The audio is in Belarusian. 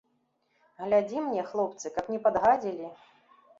Глядзі мне, хлопцы, каб не падгадзілі.